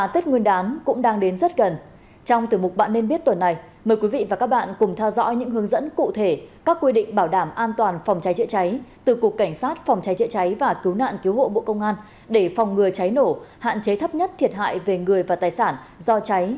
tổ bộ công an để phòng ngừa cháy nổ hạn chế thấp nhất thiệt hại về người và tài sản do cháy